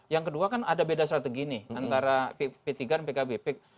yang kedua kan ada beda strategi nih antara p tiga dan pkb